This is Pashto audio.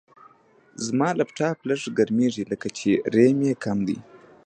زما لپټاپ لږ ګرمېږي، لکه چې ریم یې کم دی.